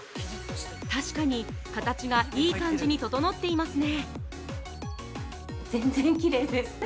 確かに、形がいい感じに整っていますね。